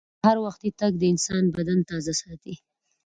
سهار وختي تګ د انسان بدن تازه ساتي